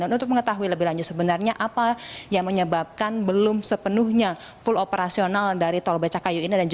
dan untuk mengetahui lebih lanjut sebenarnya apa yang menyebabkan belum sepenuhnya full operasional dari tol becakayu ini